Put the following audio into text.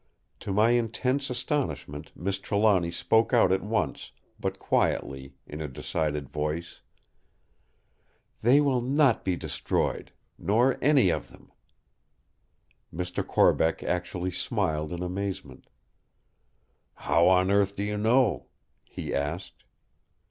To my intense astonishment Miss Trelawny spoke out at once, but quietly, in a decided voice: "They will not be destroyed; nor any of them!" Mr. Corbeck actually smiled in amazement. "How on earth do you know?" he asked.